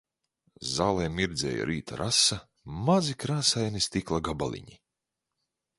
Zālē mirdzēja rīta rasa, mazi krāsaini stikla gabaliņi.